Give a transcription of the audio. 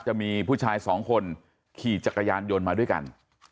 จะมีผู้ชายสองคนขี่จักรยานยนต์มาด้วยกัน